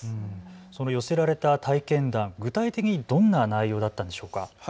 その寄せられた体験談、具体的にどんな内容だったんでしょうか。